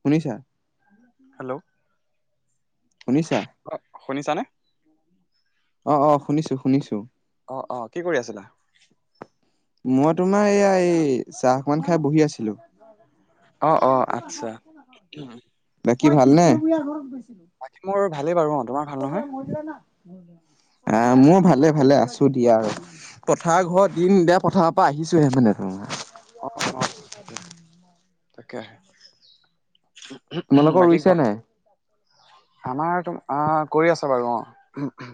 শুনিছা? হেল্ল', শুনিছা? অ, শুনিছা নে? অ, অ শুনিছো, শুনিছো। অ, অ কি কৰি আছিলা? মই তোমাৰ এইয়া এই চাহকমান খাই বহি আছিলো। [inaudible] অ, অ আচ্ছা। বাকী ভালনে? বাকী মোৰ ভালেই বাৰু অ, তোমাৰ ভাল নহয়? আহ, মও ভালে -ভালে আছো দিয়া আৰু পথাৰৰ ঘৰত দিম দ পথাৰৰ পা আহিছোঁহে মানে [unintelligible] অ', অ', অ', তাকে আহে। তোমালোকৰ বাকী ৰুইছে ঘৰ নাই আমাৰ তোম অ কৰি আছা বাৰু অঁ।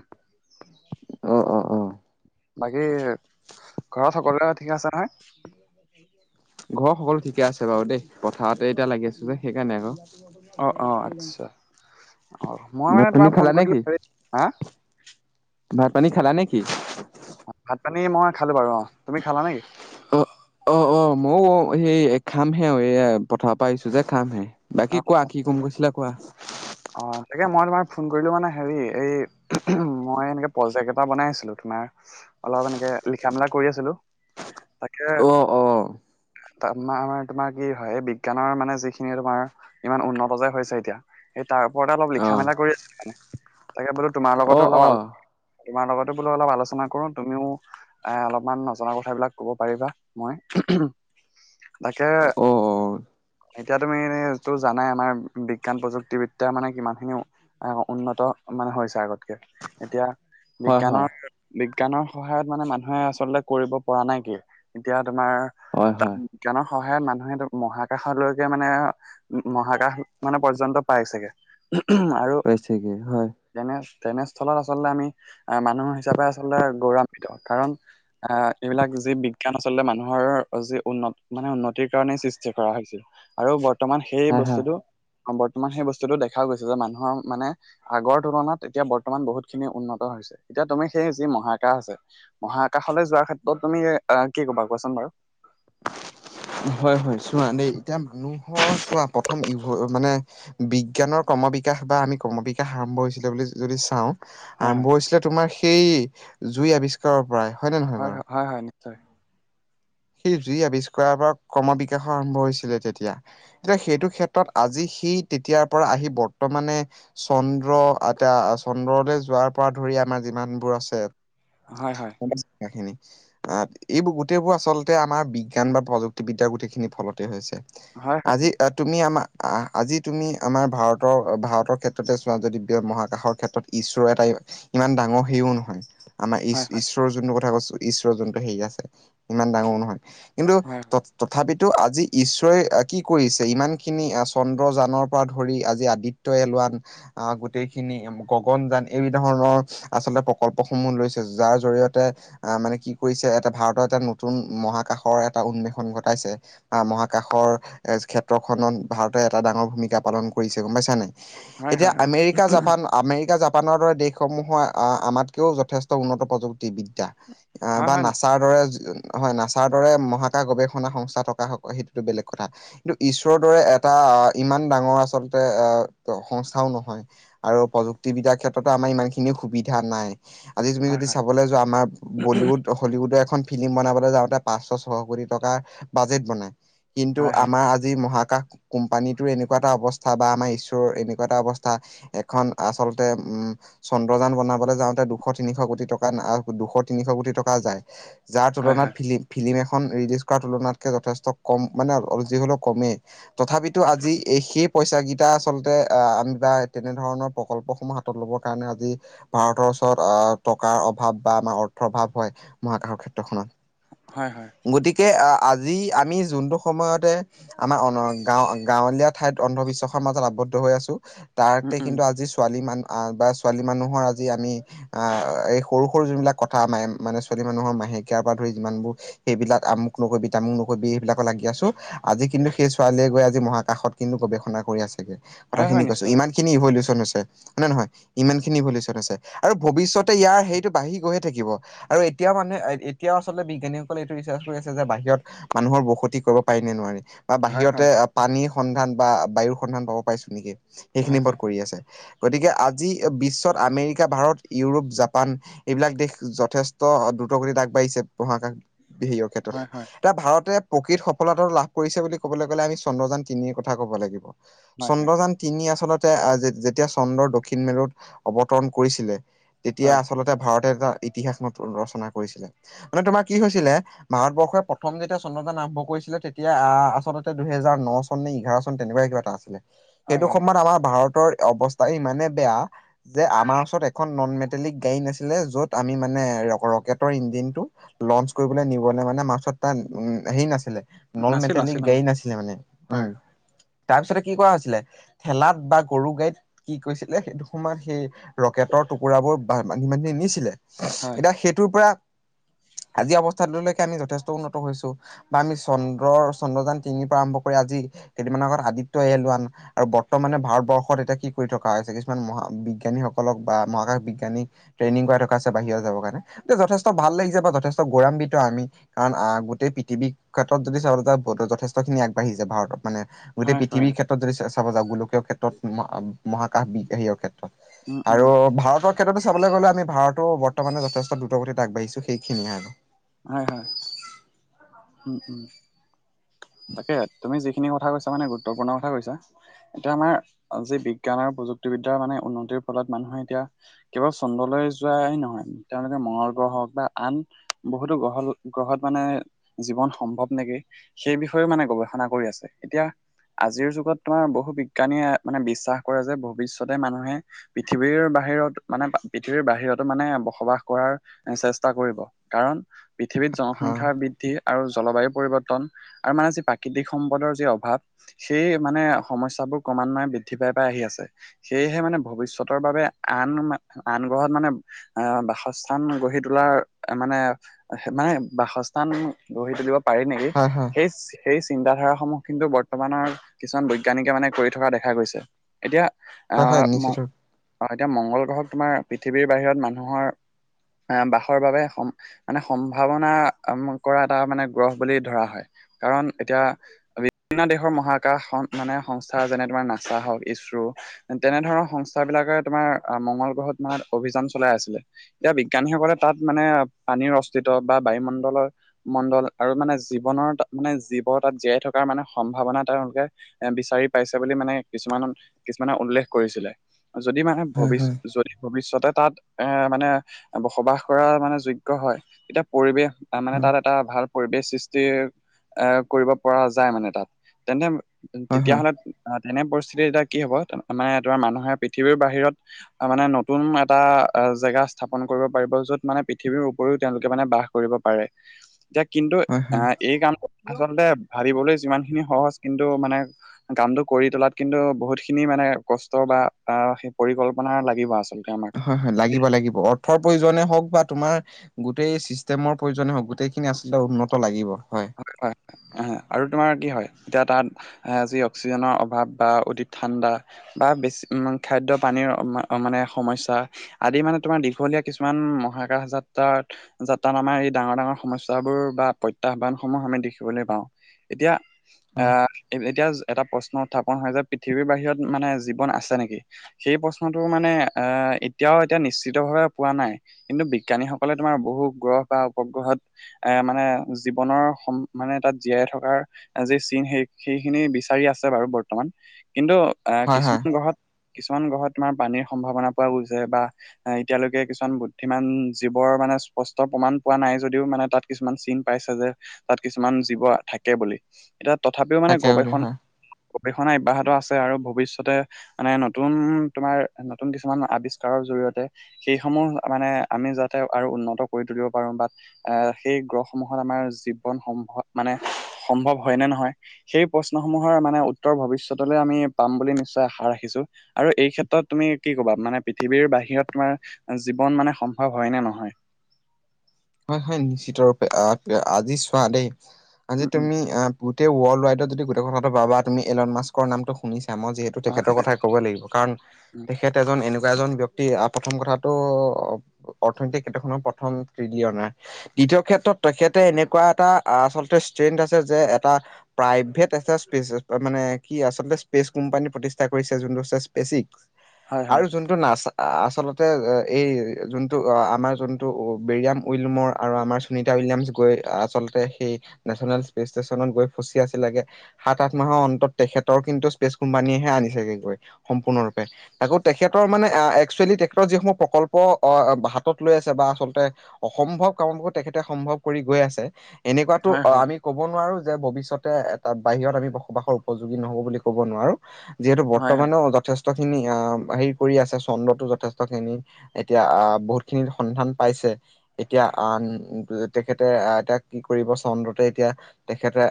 অ, অ, অ। বাকী ঘৰত সকলোৱে ঠিকে আছে নহয়? ঘৰৰ সকলো ঠিকে আছে বাৰু দেই, পথাৰতে এতিয়া লাগি আছো যে সেইকাৰণে আকৌ। অঁ অঁ আচ্ছা অঁ মই ভাত মানে পানী তোমাক ফোন খালা কৰিলোঁ, হা? ভাত-পানী খালা নেকি? অ ভাত-পানী মই খালো বাৰু অ, তুমি খালা নেকি? অ অ অ ময়ো সেই খামহে, এই পথাৰ পৰা আহিছো যে খামহে। অ বাকী কোৱা কি কম কৈছিলা কোৱা? অ তাকে মই তোমাৰ ফোন কৰিলো মানে হেৰি, এই মই এনেকে প্ৰজেক্ট এটা বনাই আছিলো তোমাৰ অলপ এনেকে লিখা মেলা কৰি আছিলো, তাকে অ অ তাৰ আমাৰ তোমাৰ কি হয়, বিজ্ঞানৰ মানে যিখিনি তোমাৰ ইমান উন্নত যে হৈছে এতিয়া সেই তাৰ ওপৰতে অলপ অ লিখা-মেলা কৰি আছিল মানে, তাকে বোলো তোমাৰ লগতো অ', অলপ আলো অ', তোমাৰ লগতো বোলো অলপ আলোচনা কৰো, তুমিও এ অলপমান নজনা কথাবিলাক কব পাৰিবা মই তাকে অ', অ', এতিয়া তুমি টো এনে জানাই, আমাৰ বিজ্ঞান প্ৰযুক্তি এতিয়া মানে কিমান খিনি উন্নত মানে হৈছে আগতকে, এতিয়া হয়, হয়, বিজ্ঞানৰ বিজ্ঞানৰ সহায়ত মানে মানুহে আচলতে কৰিব পৰা নাই কি? এতিয়া তোমাৰ হয়, হয়, বিজ্ঞানৰ সহায়ত মানুহে মহাকাশলৈকে মানে, উ মহাকাশ মানে পৰ্যন্ত পাইচেগে। পাইছেগে হয়। তেনে তেনেস্থলত আচলতে আমি আহ মানুহ হিচাপে আচলতে গৌৰৱান্বিত। কাৰণ আহ এইবিলাক যি বিজ্ঞান আচলতে মানুহৰ, যি উন্ন মানে উন্নতিৰ কাৰণেই সৃষ্টি কৰা হৈছিল। আৰু বৰ্তমান সেই হা, হা। বস্তুটো তোমান সেই বস্তুতো দেখা গৈছে, যে মানুহৰ মানে আগৰ তুলনাত এতিয়া বৰ্তমান বহুত খিনি উন্নত হৈছে। এতিয়া তুমি সেই যি মহাকাশ আছে, মহাকাশলৈ যোৱাৰ ক্ষেত্ৰত তুমি অ কি কবা কোৱাচোন বাৰু? হয় হয় চোৱা, দেই এতিয়া মানুহৰ চোৱা প্ৰথম ই মানে বিজ্ঞানৰ ক্ৰৰ্ম বিকাশ বা আমি ক্ৰৰ্ম বিকাশ আৰম্ভ হৈছিলে বুলি যদি চাওঁ হয় আৰম্ভ হয় হৈছিলে তোমাৰ সেই জুই আৱিষ্কাৰৰ পৰাই হয় নে নহয়? হয়, বাৰু? হয়, হয়, হয় নিশ্চয়। সেই জুই আৱিষ্কাৰ পৰা ক্ৰৰ্ম বিকাশ আৰম্ভ হৈছিলে তেতিয়া। তেতিয়া সেইটো ক্ষেত্ৰত আজি সি তেতিয়াৰ পৰা আহি বৰ্তমানে চন্দ্ৰ, এতয়া চন্দ্ৰলৈ যোৱাৰ পৰা ধৰি আমাৰ যিমানবোৰ আছে হয়, হয়। গম পাইছা কথা খিনি, এইবোৰ গোটেইবোৰ আচলত আমাৰ বিজ্ঞান বা প্ৰযুক্তিবিদ্যাৰ গোটেইখিনি ফলতেই হৈছে। হয় হয় আজি তুমি আমাৰ আজি তুমি আমাৰ ভাৰতৰ ভাৰতৰ ক্ষেত্ৰতে চোৱা যদি ব্য মহাকাশৰ ক্ষেত্ৰত। ঈশ্বৰ এটা ইমান ডাঙৰ হেৰিও নহয়। আমাৰ হয় হয় ঈশ্বৰ যোনটো কথা কৈছো ঈশ্বৰৰ যোনটো হেৰি আছে ইমান ডাঙৰো নহয়। কিন্তু হয় তত তথাপিতো আজি ঈশ্বৰৰেই কি কৰিছে ইমান খিনি চন্দ্ৰযানৰ পৰা ধৰি আজি আদি ত্য এল ওৱান আহ গোটেইখিনি গগন যান, এই ধৰণৰ আচলতে প্ৰকল্পসমূহ লৈছে। যাৰ জৰিয়তে আহ মানে কি কৰিছে এটা ভাৰতৰ এটা নতুন মহাকাশৰ এটা উন্মেষন ঘটাইছে। আহ মহাকাশৰ এ ক্ষেত্ৰখনত ভাৰতে এটা ডাঙৰ ভূমিকা পালন কৰিছে গম পাইছানাই? হয় হয় এতিয়া হয় আমেৰিকা-জাপান আমেৰিকা-জাপানৰ দৰে দেশসমূহৰ আমাতকৈও যথেষ্ট উন্নত প্ৰযুক্তিবিদ্যা। অ হয় বা হয় নিশ্চয় নাচাৰ দৰে, হয় নাচ তাৰ দৰে মহাকাশ গৱেষণা সংস্থা থকা সেইটোতো বেলেগ কথা। কিন্তু ঈশ্বৰৰ দৰে এটা আহ ইমান ডাঙৰ আচলতে আহ সংস্থাও নহয় আৰু প্ৰযুক্তিবিদ্যাৰ ক্ষেত্ৰতো আমাৰ ইমান খিনি সুবিধা নাই আজি তুমি হয় যদি হয় চাবলৈ যোৱা আমাৰ বলীউড হলিউডৰ এখন ফিল্ম বনাবলৈ যাওঁতে পাঁচশ ছশ কোটি টকাৰ বাজেট বনাই কিন্তু হয় হয় আমাৰ আজি মহাকাশ কোম্পানীটোৰ এনেকুৱা এটা অৱস্থা বা আমাৰ ঈশ্বৰৰ এনেকুৱা এটা অৱস্থা এখন আচলতে উম চন্দ্ৰযান বনাবলৈ যাওঁতে দুশ তিনিশ কোটি টকা আ দুশ তিনিশ কোটি টকা যায়। যাৰ হয় হয় তুলনাত ফিল ফিল্ম এখন ৰিলিজ কৰাৰ তুলনাতকে যথেষ্ট কম মানে অ যি হলেও কমেই তথাপিতো আজি এই সেই পইচা কিটা আচলতে আহ আমি বা তেনেধৰণৰ প্ৰকল্পসমূহাত ল'ব কাৰণে আজি ভাৰতৰ ওচৰত আহ টকাৰ অভাৱ বা আমাৰ অৰ্থ অভাৱ হয় মহাকাশৰ ক্ষেত্ৰখনত হয় হয় গতিকে আজি আমি যোনটো সময়তে আমাৰ গাওঁ গাঁৱলীয়া ঠাইত অন্ধবিশ্বাসৰ মাজত আবদ্ধ হৈ আছো উম, তাৰতে উম, কিন্তু আজি ছোৱালী মান বা ছোৱালী মানুহৰ আজি আমি আহ এই সৰু সৰু যোনবিলাক কথা ম মানে ছোৱালী মানুহৰ মাহেকীয়াৰ পৰা ধৰি যিমানবোৰ সেইবিলাক আমুক নকবি তামুক নকবি সেইবিলাকত লাগি আছোঁ আজি কিন্তু সেই ছোৱালীয়ে গৈ আজি মহাকাশত কিন্তু গৱেষণা কৰি আছেগে কথা হয়, হয়, খিনি কৈছো নিশ্চয়, ইমান খিনি ইভয় লোচন হৈছে। হয় নে নহয় ইমান খিনি ভলিষ্যত আছে আৰু ভৱিষ্যতে ইয়াৰ হেৰিটো বাঢ়ি গৈহে থাকিব। আৰু এতিয়াও মানুহ এতিয়াও আচলতে বিজ্ঞানী সকলে এইটো ৰিচাৰ কৰি আছে যে বাহিৰত মানুহৰ বসতি কৰিব পাৰি নে নোৱাৰি বা হয়, বাহিৰতে হয়, পানীৰ সন্ধান বা বায়ুৰ সন্ধান পাব পাৰিছো নেকি হয়, সেইখিনিৰ ওপৰত হয়, কৰি আছে গতিকে আজি বিশ্বত আমেৰিকা, ভাৰত, ইউৰোপ, জাপান এইবিলাক দেশ যথেষ্ট দ্ৰুতগতিত আগবাঢ়িছে মহাকাশ বিহেয়ৰ ক্ষেত্ৰত হয়, হয়, এতিয়া ভাৰতে প্ৰকৃত সফলতাটো লাভ কৰিছে বুলি ক'বলৈ গ'লে আমি চন্দ্ৰযান তিনিৰ কথা ক'ব লাগিব। হয়, হয়, চন্দ্ৰযান তিনি আচলতে আহ যেতিয়া চন্দ্ৰৰ দক্ষিণ মেলত অৱতৰণ কৰিছিলে তেতিয়া হয়, আচলতে ভাৰতে এটা ইতিহাস নত ৰচনা কৰিছিলে মানে তোমাৰ কি হৈছিলে? ভাৰতবৰ্ষই প্ৰথম যেতিয়া চন্দ্ৰযান আৰম্ভ কৰিছিলে তেতিয়া আহ আচলতে দুইহেজাৰ ন চন নে এঘাৰ চন তেনেকুৱা কিবা এটা আছিলে হয়, সেইটো হয়, সময়ত আমাৰ ভাৰতৰ অৱস্থাই ইমানে বেয়া যে আমাৰ ওচৰত এখন নন মেটেলিক গাড়ী নাছিলে য'ত আমি মানে ৰ ৰকেটৰ ইঞ্জিনটো লঞ্চ কৰিবলে নিবলৈ মানে মাৰ্চত তাত উ হেৰি নাছিলে নল নাছিল, মেটেলি নাছিল অ', গাড়ী নাছিলে মানে হয়, উম তাৰপিছতে কি কৰা হৈছিলে ঠেলাত বা গৰু গাড়ীত কি কৈছিলে সেইটো সময়ত সেই ৰকেটৰ টুকুৰাবোৰ বান্ধি বান্ধি নিছিলে হয়, এতিয়া সেইটোৰ পৰা আজি অৱস্থালৈকে আমি যথেষ্ট উন্নত হৈছো। বা আমি চন্দ্ৰৰ চন্দ্ৰযান তিনিৰ পৰা আৰম্ভ কৰি আজি কেইদিনমানৰ আগত আদিত্য এল ওৱান আৰু বৰ্তমানে ভাৰতবৰ্ষত এতিয়া কি কৰি থকা হৈছে কিছুমান মহা বিজ্ঞানীসকলক বা মহাকাশ বিজ্ঞানীক ট্ৰেইনিং কৰাই থকা আছে বাহিৰত যাবৰ কাৰণে যথেষ্ট ভাল লাগিছে বা যথেষ্ট গৌৰম্বিত টো আমি, কাৰণ আহ গোটেই পৃথিৱীৰ ক্ষেত্ৰত যদি চাবলে যাওঁ যথেষ্টখিনি আগবাঢ়িছে ভাৰতত মানে গোটেই হয়, হয়, পৃথিৱীৰ ক্ষেত্ৰত যদি চা চাব যাওঁ, গোলকীয় ক্ষেত্ৰত মহা - মহাকাশ বি হায়ৰ ক্ষে উম, উম, আৰু ভাৰতত', ক্ষেত্ৰতো চাবলে গ'লে আমি ভাৰত বৰ্তমানে যথেষ্ট দ্ৰুতগতিত আগবাঢ়িছো সেইখিনিয়ে আৰু হয়', - হয়', উম', - উম', তাকে, তুমি যিখিনি কথা কৈছা মানে গুৰুত্বপূৰ্ণ কথা কৈছা', এতিয়া আমাৰ, আজি বিজ্ঞান আৰু প্ৰযুক্তিবিদ্যা মানে উন্নতিৰ ফলত মানুহে এতিয়া', কেৱল চন্দ্ৰলৈ যোৱাই নহয়, তেওঁলোকে মংগল গ্ৰহ হওঁক বা আন', বহুতো গ্ৰহ', - গ্ৰহত মানে', জীৱন সম্ভৱ নেকি, সেই বিষয়েও মানে গৱেষণা কৰি আছে এতিয়া', আজিৰ যুগত তোমাৰ বহু বিজ্ঞানীয়ে মানে বিশ্বাস কৰে যে ভৱিষ্যতে মানুহে', পৃথিৱীৰ বাহিৰত, মানে পৃথিৱীৰ বাহিৰতো মানে বসবাস কৰাৰ', এই, চেষ্টা কৰিব, কাৰণ পৃথিৱীত হা জনসংখ্যা বৃ', বৃদ্ধি আৰু জলবায়ু পৰিৱৰ্তন আৰু মানে যি প্ৰাকৃতিক সম্পদৰ যি অভাৱ', সেই মানে সমস্যাবোৰ ক্ৰমান্বয়ে বৃদ্ধি পাই', -পাই', আহি আছে', সেয়েহে মানে ভৱিষ্যতৰ বাবে আন মা', আন গ্ৰহত মানে', আহ', বাসস্থান গঢ়ি তোলাৰ মানে সেই নাই, মানে বাসস্থান', গঢ়ি তুলিব পাৰি নেকি? হয় হয় সেই চি', সেই চিন্তাধাৰাসমূহ কিন্তু বৰ্তমানৰ কিছুমান বৈজ্ঞানিকে মানে কৰি থকা দেখা গৈছে', এতিয়া হয় হয় আহ নিশ্চিত মং', এতিয়া মংগল গ্ৰহক তোমাৰ পৃথিৱীৰ বাহিৰত মানুহৰ', আহ', বাসৰ বাবে সম মানে সম্ভাৱনা আম', কৰা এটা মানে গ্ৰহ বুলি ধৰা হয় কাৰণ এতিয়া', বিভিন্ন দেশৰ মহাকাশ সং', মানে সংস্থা যেনে তোমাৰ নাছা, হওঁক ইছৰো', তেনেধৰণৰ সংস্থাবিলাকে তোমাৰ আহ', মংগল গ্ৰহত তোমাৰ অভিযান চলাই আছিলে', এতিয়া বিজ্ঞানীসকলে তাত মানে, পানীৰ অস্তিত্ব বা বায়ুমণ্ডলৰ', মণ্ডল আৰু মানে জীৱনৰ তা', মানে জীৱ তাত জীয়াই থকাৰ মানে সম্ভাৱনা তেওঁলোকে', এ', বিচাৰি পাইছে বুলি মানে কিছুমান, কিছুমানে উল্লেখ কৰিছিলে', যদি মানে হয় ভৱিষ্য', হয় যদি', ভৱিষ্যতে তাত এ', মানে বসবাস কৰা মানে যোগ্য হয়, তেতিয়া পৰিৱেশ', তাৰ মানে হয় তাত এটা ভাল পৰিৱেশ সৃষ্টিৰ, এ', কৰিব পৰা যায় মানে তাত, তেনে', হয় তেতিয়া হয় হ'লে আহ', তেনে পৰিস্থিতি এতিয়া কি হ'ব মানে ধৰা মানুহে পৃথিৱীৰ বাহিৰত', অ', মানে নতুন এটা জেগা স্থাপন কৰিব পাৰিব য'ত মানে পৃথিৱীৰ উপৰিও তেওঁলোকে মানে বাস', কৰিব পাৰে', এতিয়া কিন্তু হয় অহ', হয় এই কামটো আচলতে ভাবিবলৈ যিমানখিনি সহজ কিন্তু মানে', কামটো কৰি তোলাত কিন্তু বহুতখিনি মানে কষ্ট বা আহ', সেই পৰিকল্পনা লাগিব আচলতে আমাৰ', হয়', - হয়', লাগিব', - লাগিব', অৰ্থৰ প্ৰয়োজনে হওঁক বা তোমাৰ', গোটেই চিষ্টেমৰ প্ৰয়োজন হওঁক, গোটেইখিনি আচলতে উন্নত লাগিব, হয়', হয়', - হয়', আহ', আৰু তোমাৰ কি হয় এতিয়া তাত', আজি অক্সিজেনৰ অভাৱ বা অধিক ঠাণ্ডা', বা বেছি উম', খাদ্য পানীৰ মা', - মানে সমস্যা', আদি মানে তোমাৰ দীঘলীয়া কিছুমান মহাকাশ যাত্ৰাত', যাত্ৰাত আমাৰ এই ডাঙৰ - ডাঙৰ সমস্যাবোৰ বা প্ৰত্যাহ্বান', সময়', - সমে দেখিবলৈ পাওঁ এতিয়া', হয় আহ', এতিয়া এটা প্ৰশ্ন উত্থাপন হয় যে পৃথিৱীৰ বাহিৰত মানে জীৱন আছে নেকি? সেই', প্ৰশ্নটো মানে আহ', এতিয়াও', - এতিয়া নিশ্চিতভাৱে পোৱা নাই', কিন্তু বিজ্ঞানীসকলে তোমাৰ বহু গ্ৰহ বা উপগ্ৰহত এ', মানে জীৱনৰ', সম', মানে তাত জীয়াই থকাৰ যি চিন সেই সেইখিনি বিচাৰি আছে বাৰু বৰ্তমান', কিন্তু আহ', হয় হয় কিছুমান গ্ৰহত, কিছুমান গ্ৰহত তোমাৰ পানীৰ সম্ভাৱনা পোৱা গৈছে বা', অহ', এতিয়ালৈকে কিছুমান বুদ্ধিমান জীৱৰ মানে স্পষ্ট প্ৰমাণ পোৱা নাই যদিও মানে তাত', কিছুমান চিন পাইছে যে তাত কিছুমান জীৱ থাকে বুলি। এতিয়া তথাপিও মানে তাকে হয় গৱেষণ হয় গৱেষণা অব্যাহত আছে আৰু ভৱিষ্যতে মানে নতুন তোমাৰ নতুন কিছুমান আৱিষ্কাৰৰ জৰিয়তে সেইসমূহ মানে আমি যাতে আৰু উন্নত কৰি তুলিব পাৰো বা', আহ', সেই গ্ৰহসমূহত আমাৰ জীৱন সম্ভৱ মানে সম্ভৱ হয় নে নহয়? সেই', প্ৰশ্নসমূহৰ মানে উত্তৰ ভৱিষ্যতলৈ আমি পাম বুলি নিশ্চয় আশা ৰাখিছোঁ', আৰু এই ক্ষেত্ৰত তুমি কি কবা মানে পৃথিৱীৰ বাহিৰত তোমাৰ জীৱন মানে সম্ভৱ হয় নে নহয়? হয়-হয় নিশ্চিত ৰূপে আহ-আহ আজি চোৱা দেই, আজি উম উম তুমি আহ গোটেই ৱৰ্ল্ড ৰাইডত যদি গোটে কথাটো পাবা তুমি এলন মাস্কৰ নামটো শুনিছা মই যিহে টো তেখেতৰ কথাই ক'ব লাগিব কাৰণ তেখেত এজন এনেকুৱা এজন ব্যক্তি প্ৰথম কথাটো অৰ্থনৈতিক ক্ষেত্ৰখনৰ প্ৰথম তৃতীয় নাই, তৃতীয় ক্ষেত্ৰত তেখেতে এনেকুৱা এটা আচলতে ষ্ট্ৰেন্থ আছে যে এটা প্ৰাইভেট এটাচ পেজ মানে কি আচলতে স্পেচ কোম্পানী প্ৰতিষ্ঠা কৰিছে যোনটো স্পেচিক, হয় আৰু হয় যোন টো নাছা আচলতে এই যোনটো আমাৰ যোনটো বেৰিয়াম উইলমৰ আৰু আমাৰ সুনিতা উইলিয়ামছ গৈ আচলতে সেই নেচনেল স্পেচ ষ্টেচনত গৈ ফচি আছিলেগে। সাত, আঠ মাহৰ অন্তত তেখেতৰ কিন্তু স্পেচ কোম্পানীয়েহে আনিছেগেগৈ সম্পূৰ্ণৰূপে। আকৌ তেখেতৰ মানে একচুৱেলি তেখেতৰ যিসমূহ প্ৰকল্প অ, হাতত লৈ আছে বা আচলতে অসম্ভৱ কামবোৰো তেখেতে সম্ভৱ কৰি গৈ আছে। এনেকুৱাতো হয় অ, হয় আমি ক'ব নোৱাৰো যে ভৱিষ্যতে এটা বাহিৰত আমি বসবাসৰ উপযোগী নহ'ব বুলি ক'ব নোৱাৰো। যিহেতু হয় হয় হয় বৰ্তমানেও যথেষ্ট খিনি আহ হেৰি কৰি আছে চন্দ্ৰতো যথেষ্ট খিনি এতিয়া আহ বহুত খিনিৰ সন্ধান পাইছে। এতিয়া আন তেখেতে আহ এতিয়া কি কৰিব চন্দ্ৰতে এতিয়া তেখেতে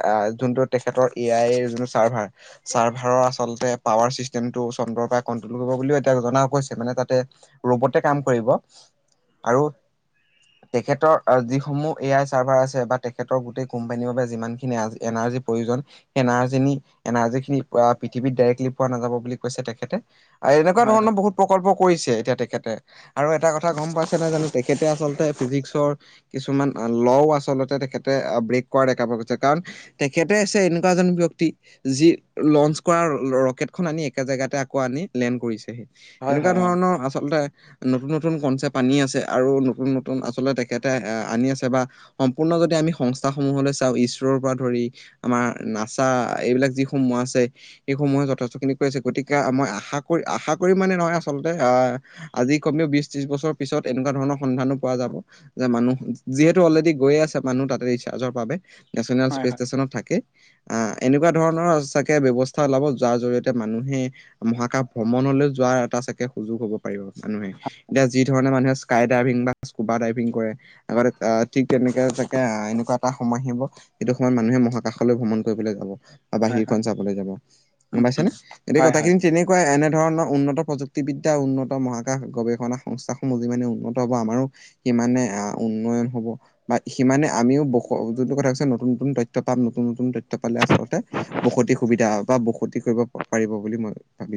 যোনটো তেখেতৰ এ আইৰ যোনটো চাৰ্ভাৰ চাৰ্ভাৰৰ আচলতে পাৱাৰ ছিষ্টেমটো চন্দ্ৰৰ পৰাই কন্ট্ৰল কৰিব বুলিও এতিয়া জনা গৈছে। মানে তাতে ৰবতে কাম কৰিব আৰু তেখেতৰ যিসমূহ এ আই চাৰ্ভাৰ আছে বা তেখেতৰ গোটেই কোম্পানীৰ বাবে যিমানখিনি এনাৰজি প্ৰয়োজন এনাৰজিনি - এনাৰজিখিনি পৃথিৱীত ডাইৰেক্লিপ পোৱা নাযাব বুলি কৈছে তেখেতে, এনেকুৱা হয় হয় হয় ধৰণৰ বহুত প্ৰকল্প কৰিছে এতিয়া তেখেতে আৰু এটা কথা গম পাইছে ন জানো তেখেতে আচলতে ফিজিক্সৰ কিছুমান লও আচলতে তেখেতে ব্ৰেক কৰা দেখা পোৱা গৈছে। কাৰণ তেখেতে হৈছে এনেকুৱা এজন ব্যক্তি যি লঞ্চ কৰা ৰকেট খন আনি একে জেগাতে আকৌ আনি লেণ্ড কৰিছে। হয় তেনেকুৱা হয় হয় অ ধৰণৰ আচলতে নতুন-নতুন কনচেপ আনি আছে। আৰু নতুন-নতুন নতুন আচলতে তেখেতে আনি আছে বা সম্পূৰ্ণ যদি আমি সংস্থাসমূহলৈ চাও ইছৰৰ পৰা ধৰি আমাৰ নাচা এইবিলাক যিসমূহ আছে। সেইসমূহে যথেষ্টখিনি কৰি আছে। গতিকে মই আশা কৰি - আশা কৰি মানে নহয় আচলতে আহ আজি কমেও বিশ, ত্ৰিশ বছৰ পিছত এনেকুৱা ধৰণৰ সন্ধানো পোৱা যাব যে মানুহ যিহেতু অলৰেডি গৈয়ে আছে মানুহ তাতে ৰিচাৰ্জৰ বাবে। নেশ্যনেল হয় স্পেচ হয় ষ্টেচনত থাকে। আহ এনেকুৱা ধৰণৰ সচাকে ব্যৱস্থা ওলাব, যাৰ জৰিয়তে মানুহে মহাকাশ ভ্ৰমণলৈ যোৱাৰ এটা চাগে সুযোগ হ'ব। মানুহে এতিয়া যি ধৰণে মানুহে স্কাই ডাইভিং বা স্কুবা ডাইভিং কৰে। আগতে ঠিক তেনেকে তাকে এনেকুৱা এটা সময় আহিব। এতিয়া সময়ত মানুহে মহাকাশলৈ ভ্ৰমণ কৰিবলৈ যাব। হয় বাহিৰখন হয় চাবলৈ যাব, গম উম পাইছে উম নে, গোটেই হয় হয় কথাখিনি তেনেকুৱাই এনেধৰণৰ উন্নত প্ৰযুক্তিবিদ্যা উন্নত মহাকাশ গৱেষণা সংস্থাসমূহ যিমানে উন্নত হ'ব আমাৰ কিমানে আহ, উন্নয়ন হ'ব। বা সিমানে আমি বু যোনটো কথা কছে নতুন-নতুন তথ্য পাম নতুন-নতুন তথ পালে আচলতে বসতি সুবিধা বা বসতি কৰিব পাৰিব বুলি মই